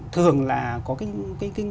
thường là có cái